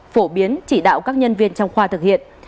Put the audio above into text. phổ biến chỉ đạo các nhân viên trong khoa thực hiện